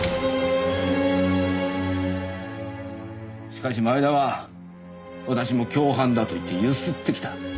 しかし前田は私も共犯だと言って強請ってきた。